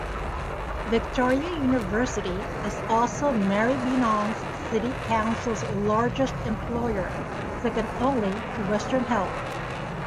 Victoria University is also Maribyrnong City Council's largest employer, second only to Western Health.